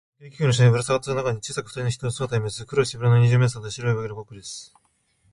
その軽気球の下にさがったかごの中に、小さくふたりの人の姿がみえます。黒い背広の二十面相と、白い上着のコックです。